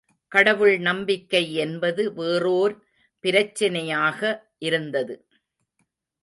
கடவுள் நம்பிக்கை என்பது வேறோர் பிரச்சினையாக இருந்தது.